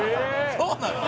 そうなの？